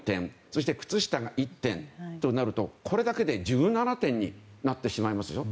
そして靴下が１点となるとこれだけで１７点になってしまいます。